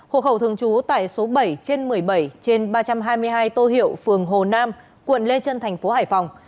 học hậu thường trú tại số bảy trên một mươi bảy trên ba trăm hai mươi hai tô hiệu phường hồ nam quận lê trân tp hải phòng